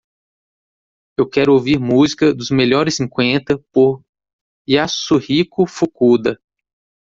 Eu quero ouvir música dos melhores cinquenta por Yasuhiko Fukuda